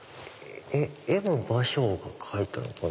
絵も芭蕉が描いたのかな？